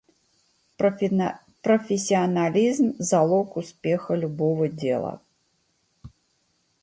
профессионализм - залог успеха любого дела.